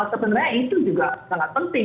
sebenarnya itu juga sangat penting